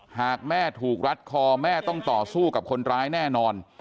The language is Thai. หากแม่ถูกรัดคอแม่ต้องต่อสู้กับคนร้ายแน่นอน